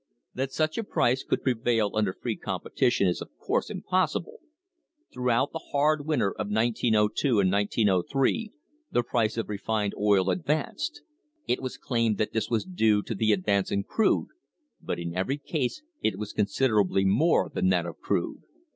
That such a price could prevail under free competition is, of course, impossible. Throughout the hard winter of 1902 1903 the price of refined oil advanced. It was claimed that this was due to the advance in crude, but in every case it was considerably more than that of crude.